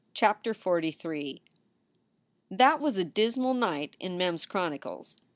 CHAPTER XLIII THAT was a dismal night in Mem s chronicles.